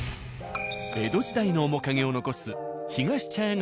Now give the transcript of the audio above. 江戸時代の面影を残すひがし茶屋